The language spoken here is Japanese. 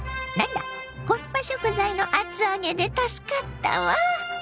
コスパ食材の厚揚げで助かったわ。